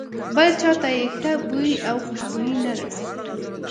بل چاته یې ښه بوی او خوشبويي نه رسېږي.